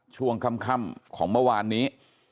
ช่วงค่ำของเมื่อวานนี้